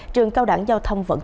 trường cao đẳng giao thông vận tải